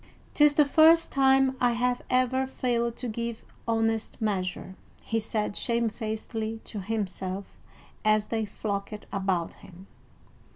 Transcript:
"'Tis the first time I have ever failed to give honest measure," he said shamefacedly to himself as they flocked about him.